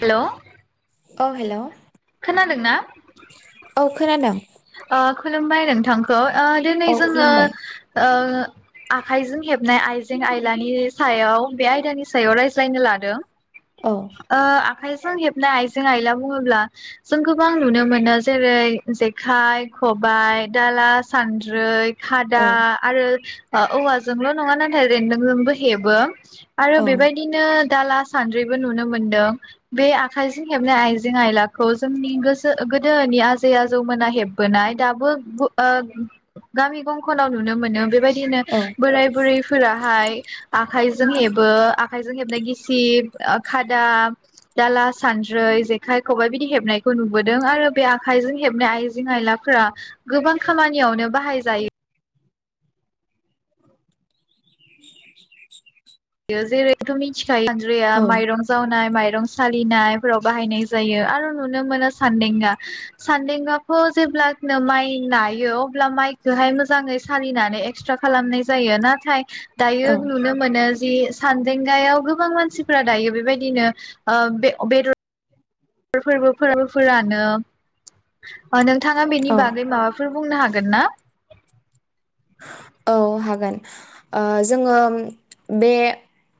हेल' । औ हेल' । औ खोनादों । अ खुलुमबाय नोंथांखौ । ओ दिनै औ जोङो खुलुमबाय ओ आखाइजों हेबनाय आइजें आयलानि सायाव बे आयदानि सायाव रायज्लायनो लादों । औ आ आखाइजों हेबनाय आइजें आइला बुङोब्ला जों गोबां नुनो मोनो । जेरै जेखा खाय खबाय दाला सान्द्रै । औ खादा आरो औवाजोंल नङा नाथाय रेनदोंजोंबो हेबो आरो औ बेबायदिनो दाला सान्द्रिबो नुनो मोनदों बे आखाइजों हेबनाय आइजें आयलाखौ जोंनि गोसो गोदोनि आजै आजौमोना हेबबोनाय दाबो ओ गामि गंखनाव नुनो मोनो बेबायदि । बिदिनो औ बोराय बुरैफोराहाय आखाइजों हेबो आखाइजों हेबनाय गिसिब खादा दाला सानद्रै जेखाइ खबायाइ बिदि हेबनायखौ नुबोदों आरो बे आखाइजों हेबनाय आयजें आइजें आइलाफोरा गोबां खामानियावनो बाहायजायो । जेरैथ' मिथि सानद्रिया औ माइरं जावनाय माइ माइरं सालिनायफोराव बाहायनाय जायो आरो नुनो मोनो सान्देंगा सान्देंगाखौ जेब्लानो माइ नायो अब्ला माइखोहाय मोजाङै सालिनानै एक्सट्रा खालामनाय जायो नाथाय दायो औ नुनो मोनो ज ए सानदेंगायाव गोबां मानसिफोरा दायो बेबायदिनो ओ बे बेदर फोरबो फोरफोरानो नोंथाङा बेनि औ बागै माबाफोर बुंनो हागोन? गोन ना? औ हागोन। ओ जोङो बे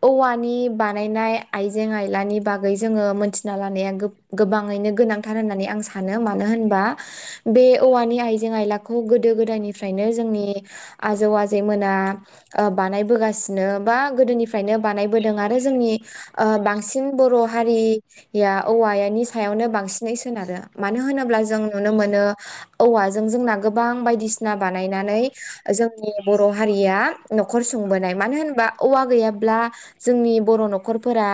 औवानि बानायनाय आइजें-आइलानि बागै जोङो मोनथिना लानाया गोब गोबाङैनो गोनांथार होननानै आं सानो मानो होनबा बे औवानि आइजें-आइलाखौ गोदो गोदायनिफ्रायनो जोंनि आजौ-आजैमोना ओ बानायबोगासिनो बा गोदोनिफ्रायनो बानायबोदों आरो जोंनि ओ बांसिन बर' हारिया औवानि सायावनो बांसिनै सोनारो मानो होनोब्ला जों नुनो मोनो औवाजों जोंना गोबां बायदिसिना बानायनानै जोंनि बर' हारिया न'खर संबोनाय मानो होनोबा औवा गैयाब्ला जोंनि बर' नखरफोरा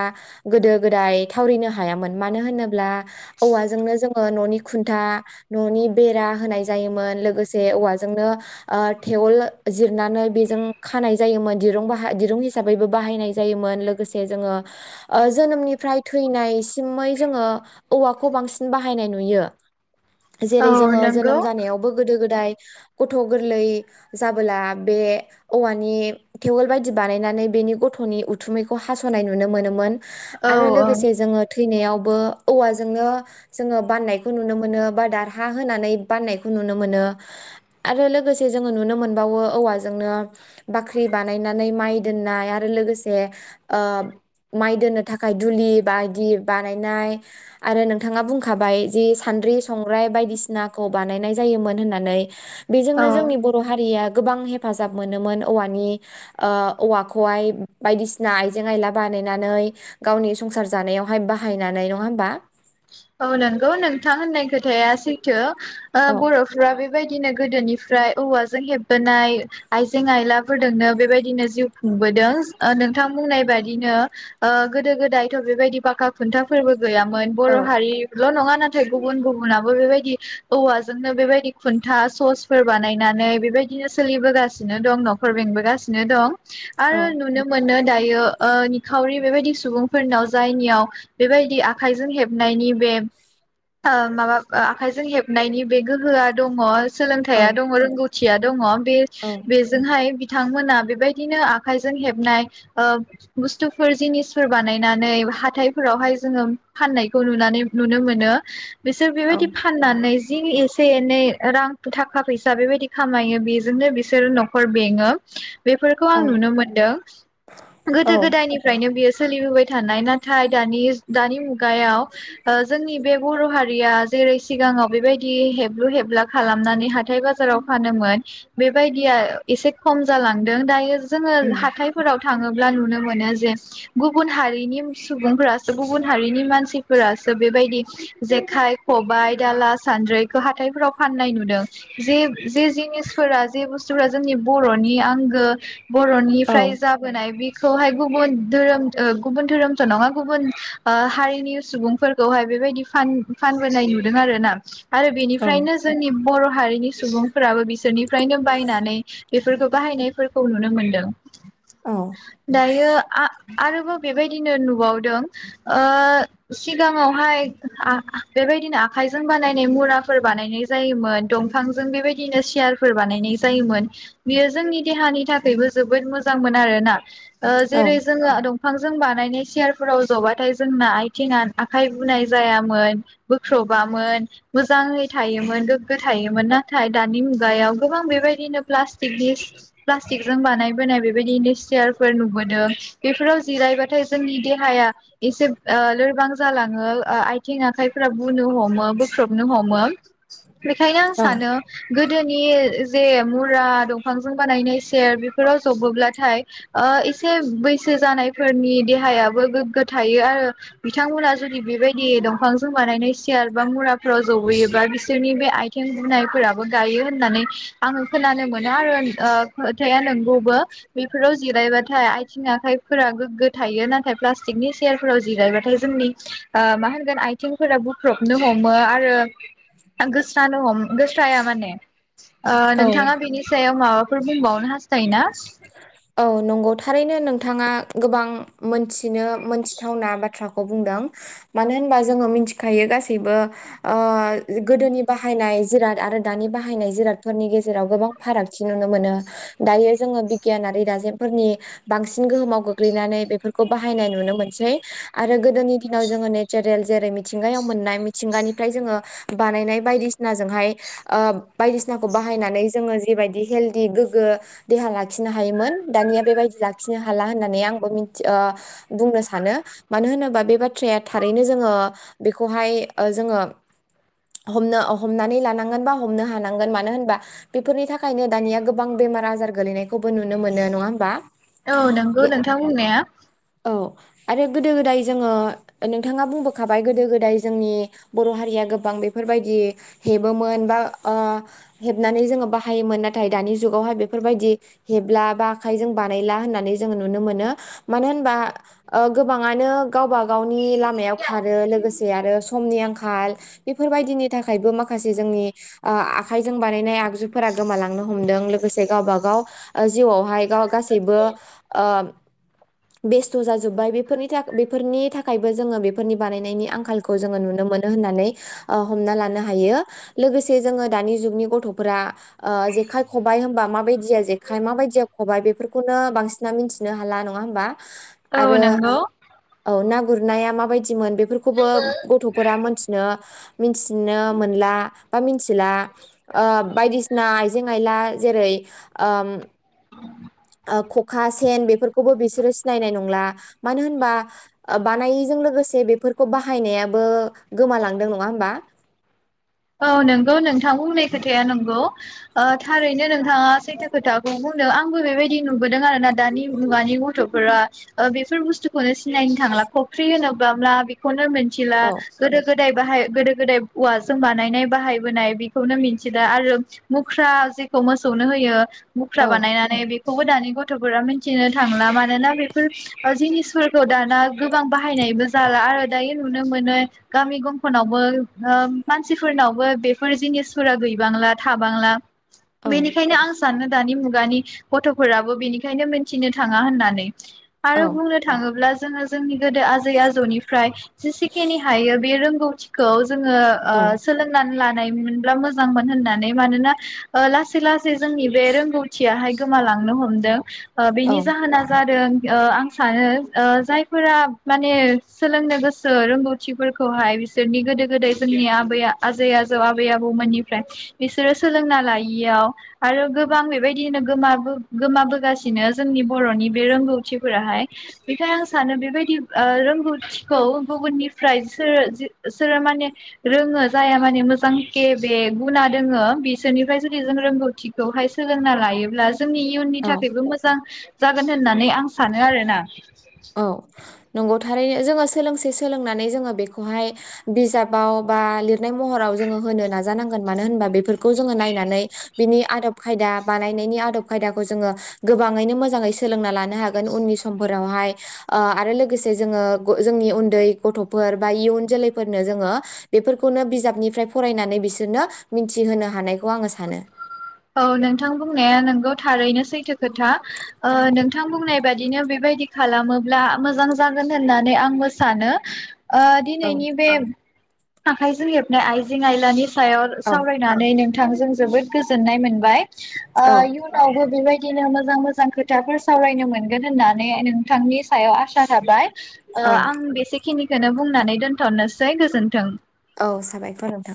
गोदो-गोदाय थावरिनो हायामोन मानो होनोब्ला औवाजोंनो जोङो न'नि खुन्था न'नि बेरा होनाय जायोमोन लोगोसे औवाजोंनो ओ थेवल जिरनानै बेजों खानाय जायोमोन दिरुं बाहा दिरुं हिसाबैबो बाहायनाय जायोमोन लोगोसे जोङो ओ जोनोमनिफ्राय थैनायसिमै जोङो औवाखौ बांसिन बाहायनाय नुयो। जेरै औ जोङो जोनोम नंगौ जानायावबो गोदो-गोदाय गथ' गोरलै जाबोला बे औवानि थेवोल बायदि बानायनानै बेनि गथ'नि उथुमैखौ हास'नाय नुनो मोनोमोन औ आरो औ लोगोसे जोङो थो थैनायावबो औवाजोंनो जोङो बाननायखौ नुनो मोनो बा दारहा होना बाननायखौ नुनो मोनो आरो लोगोसे जोङो नुनो मोनबावो औवाजोंनो बाख्रि बानायनानै माइ दोननाय आरो लोगोसे ओ माइ दोननो थाखाय धुलि बायदि बानायनाय आरो नोंथाङा बुंखाबाय जि सान्द्रि संग्राय बायदिसिनाखौ बानायनाय जायोमोन होननानै बेजोंनो औ जोंनि हारिया गोबां हेफाजाब मोनोमोन औवानि ओ औवाखौहाय बायदिसिना आइजें-आइला बानायनानै गावनि संसार जानायावहाय बाहायनानै नङा होमबा? औ नंगौ नोंथां होननाय खोथाया सैथो। ओ औ बर'फोरा बे बेबायदिनो गोदोनिफ्राय औवाजों हेबबोनाय आइजें-आइलाफोरदोंनो बेबायदिनो जिउ खुंबोदों ओ नोंथां बुंनाय बादिनो ओ गोदो गोदायथ' बेबायदि फाखा खुन्था फोरबो गैयामोन बर' औ ल नङा नाथाय गुबुन गुबुनाबो बेबायदि औवाजोंनो बेबायदि खुन्था ससफोर बानायनानै बेबायदिनो सोलिबोगासिनो दं न'खर बेंबोगासिनो दं। औ आरो नुनो मोनो दायो ओ निखावरि बेबायदि सुबुंफोरनाव जायनियाव बेबायदि आखाइजों हेब नायनि बे ओ माबा ओ आखाइजों हेबनायनि बे गोहोआ दङ। औ सोलोंथाइआ दङ रोंगौ। खुथिया दङ। बेयो औ बेजोंहाय बिथांमोना बेबायदिनो आखाइजों हेबनाय ओ बुस्थुफोर जिनिसफोर बानायनानै हाथायफोरावहाय जोङो फाननाय खौ नुनानै नुनो मोनो बिसोर बेबायदि औ फाननानै ज जि एसे एनै रां थाखा-फैसा बेबायदि खामायो बेजोंनो बिसोर न'खर बेङो। बेफोरखौ आं नुनो मोनदों औ गोदो गोदायनिफ्रायनो बियो सो सोलिबोबाय थानाय नाथाय दानि दानि मुगायाव ओ जोंनि बे बर' हारिया जेरै सिगाङाव बेबायदि हेबलु हेबला खालामनानै हाथाय बाजाराव फानोमोन बेबायदिया एसे खम जालांदों दायो जोङो उम हाथायफोराव थाङोब्ला नुनो मोनो जे गुबुन हारिनि सुबुंफ्रासो गुबुन हारिनि मानसि फोरासो बेबायदि जेखाइ खबाइ दाला सान्द्रिखौ हाथाइफोराव फाननाय नुदों जे जे जिनिसफोरा जे बुस्थुफोरा जोंनि बर' नि आंगो औ बरनिफ्राय जाबोनाय बि खौहाय गुबुन धोरोम ओ गुबुन धोरोमथ नङा गुबुन ओ हारिनि सुबुंफोरखौहाय बेबायदि फान-फानबोनाय नुदों आरो ना । आरो औ बेनिफ्रायनो जोंनि बर' हारिनि सुबुंफोराबो बि सोरनिफ्रायनो बायनानै बेफोरखौ बाहायनायफोरखौ नुनो मोनदों । औ दायो आ आरोबाव बेबायदिनो नुबावदों ओ सिगाङावहाय आ बेबायदिनो आखाइजों बानायनाय मुराफोर बानायनाय जायोमोन दंफांजों बेबायदिनो सियारफोर बानायनाय जायोमोन बियो जोंनि देहानि थाखायबो जोबोद मोजांमोन आरोना । ओ औ जेरै जोङो दं फांजों बानायनाय सियारफोराव जबाथाय जोंना आइ थिङा आखाइ बुनाय जायामोन बोख्रबामोन मोजाङै थायोमोन गोग्गो थायोमोन नाथाय दानि मुगायाव गोबां बेबायदिनो प्लासटिकनि प्लासटिक जों बानायोनाय बेबायदिनो सेयारफोर नुबोदों बेफोराव जिरायबाथाय जोंनि देहाया एसे ओ लोरबां जालाङो ओ आथिं आखाइफोरा बुनो हमो बोख्रबनो हमो । बेखायनो आं सानो गोदोनि नि जे मुरा दंफांजों बानायनाय सेर बेफोराव जबोब्लाथाय ओ एसे बैस सो जानायफोरनि देहायाबो गोग्गो थायो आरो बिथांमोना जुदि बेबायदि दंफांजों बानायनाय सियार बा मुराफोराव जबोयोबा बिसोरनि बे आथिं बुनायफोराबो गायो होननानै आङो खोनानो मोनो आरो ओ खोथाया नंगौबो बेफोराव जिरायबाथाय आथिं आखाइफोरा गोग्गो थायो नाथाय प्लास्टिकनि सियारफोराव जिरायबाथाय जोंनि ओ मा होनगोन आथिंफोरा बुख्रबनो हमो आरो आं गोसानो हम गोस्राया माने ओ औ नोंथाङा बिनि सायाव माबा फोर बुंबावनो हास्थायोना? औ नंगौ थारैनो नों थाङा गोबां मोनथि नो मोनथिथावना बाथ्रा खौ बुंदों मानो होनबा जोङो मिथिखायो गासैबो ओ गोदोनि बाहायनाय जिराद आरो दानि बाहायनाय जिरादफोरनि गेजेराव गोबां फारागथि नुनो मोनो दायो जोङो बि गियानारि दाजेमफोरनि बांसिन गोहोमाव गोग्लैनानै बेफोरखौ बाहायनाय नुनो मोनसै आरो गोदोनि दिनाव जोङो नेचारेल जेरै मिथिंगायाव मोननाय मिथिंगानिफ्राय जोङो बानायनाय बायदिसिनाजोंहाय ओ बायदिसिनाखौ बाहायनानै जोङो जेबायदि हेलदि गोग्गो देहा ला खिनो हायोमोन दानिया बेबायदि लाखिनो हाला होननानै आंबो मोनथि ओ बुंनो सानो मानो होनोबा बे बाथ्राया थारैनो जोङो बेखौहाय ओ जोङो हमनो हमनानै लानांगोन बा हमनो हानांगोन मानो होनबा बेफोरनि थाखायनो दानिया गोबां बेमार आजार गोलैनाय खौबो नुनो मोनो नङा होमबा औ नंगौ नोंथां बुंनाया। औ आरो गोदो गोदाय जोङो नोंथाङा बुंबोखाबाय गोदो गोदाय जोंनि बर हारिया गोबां बेफोरबायदि हेबोमोन बा ओ हेबनानै जोङो बाहायोमोन नाथाय दानि जुगावहाय बेफोरबायदि हेबला बा आखाइजों बानायला होननानै जोङो नुनो मोनो‌।मानो होनबा ओ गोबाङानो गावबा गाव नि लामायाव खारो लोगोसे आरो समनि आंखाल बेफोरबायदिनि थाखायबो माखासे जोंनि ओ आखाइजों बानायनाय आग जुफोरा गोमालांनो हमदों लोगोसे गावबा गाव ओ जिउआवहाय ग-गासैबो ओ बेस्थ जाजोब्बाय बेफोरनि थाखाय बेफोरनि थाखायबो जोङो बेफोरनि बानायनायनि आंखालखौ जोङो नुनो मोनो होननानै ओ हमना लानो हायो। लोगोसे जोङो दानि जुगनि गथफोरा ओ जेखाइ खबाइ होनबा माबायदिया जे खाय माबायदिया खबबाय बेफोरखौनो बांसिनना मिथिनो हाला नङा होमबा। औ आरो नंगौ औ ना गुरनाया माबायदिमोन बे फोरखौबो गथफोरा मोनथिनो मिथिनो मोनला बा मिथिला ओ बायदिसिना आइजें आइला जेरै ओम खखा सेन बेफोरखौबो बिसोरो सिनायनाय नंला मानो होनबा बानायैजों लोगोसे बेफोरखौ बाहायनायाबो गोमालांदों नङा होमबा औ नंगौ नोंथां बुंनाय खोथाया नंगौ ओ थारैनो नोंथाङा सैथो खोथाखौ बुंदों आंबो बेबायदि नुबोदों आरोना दानि मुगानि गथफोरा ओ बेफोर बुस्थुखौनो सिनायनो थांला फख्रि होनोब्लाब्ला बेखौनो थिला‌ औ गोदो गो दाय बाहाय गोदो गोदाय उवाज जों बानायनाय बाहायबोनाय बेखौनो मिथिला आरो मुख्रा जेखौ मोसौनो होयो मुख्रा औ बानायनानै बे खौबो दानि गथफोरा मिथिनो थांला मानोना बेफोर जिनिसफोरखौ दाना गोबां बाहायनायबो जाला आरो दायो नुनो मोनो गामि गंफोनावबो ओ मानसिफोरनावबो बेफोर जिनिसफोरा गैबांला थाबांला औ बेनिखायनो आं सा सानो दानि मुगानि गथफोराबो बेनिखायनो मिथिनो थाङा होननानै। आरो बुंनो थाङोब्ला जोङो जोंनि गोदो आजै आजौनिफ्राय जेसेखिनि हायो बे रोंगौथिखौ जोङो आ औ सोलोंनानै लान नाय मोनब्ला मोजां मोन होननानै मानोना ओ लासै लासै जोंनि बे रोंगौथियाहाय गोमालांनो हमदों। आ औ बेनि जाहोना जादों ओ आं सानो ओ जायफोरा माने सोलोंनो गोसो रोंगौथिफोरखौहाय बिसोरनि गोदो गोदाय जोंनि आबै आजै आजौ आबै आबौ मोननिफ्राय इसोरो सोलोंना लायियाव आरो गोबां बेबायदिनो गोमाबो गोमाबोगासिनो जोंनि बरनि बे रोंगौथिफोराहाय बेखायनो आं सानो बेबायदि रोंगौथिखौ गुबुननिफ्रायसो सोर जि सोरो माने रोङो जाया माने मोजां केे बे गुना दोङो बिसोरनिफ्राय जुदि जों रोंगौथिखौहाय सोलोंना लायोब्ला जोंनि इयुननि औ थाखायबो मोजां। जागोन होननानै आं सानो आरोना। औ नंगौ थारैनो जोङो सोलोंसे सोलोंनानै जोङो बेखौहाय बिजाबाव बा लिरनाय महराव जोङो होनो नाजानांगोन मानो होनबा बेफोरखौ जोङो नायनानै बिनि आदब खायदा बानायनायनि आदब खायदाखौ जोङो गोबाङैनो मोजाङै सोलोंना लानो हागोन उननि समफोरावहाय। ओ आरो लोगोसे जोङो जोंनि उन्दै गथफोर बा इयुन जोलैफोरनो जोङो बेफोरखौनो बिजाबनिफ्राय फरायनानै बिसोरनो मिथिहोनो हानायखौ आङो सानो। औ नोंथां बुंनाया नोंगौ थारैनो सैथो खोथा ओ नोंथां बुंनाय बादिनो बेबायदिनो खालामोब्ला मोजां जागोन होननानै आंबो सानो। ओ औ दिनैनि बे आखायजों हेबनाय आइजें आइलानि सायाव औ सावरायनानै नों थांजों जोबोद गो जोननाय मोनबाय। ओ औ इउनावबो बिबाय दिनो मोजां मोजां खोथा फोसावलायनो मोनगोन होननानै नोंथांनि सायाव आसा थाबाय। ओ औ आं बेसे खिनिखौनो बुंनानै दोनथनोसै गोजोन्थों। औ साबायखर नोंथां